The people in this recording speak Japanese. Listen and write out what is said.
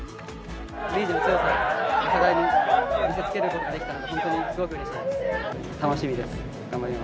明治の強さを他大に見せつけることができて、本当にすごくうれしいです。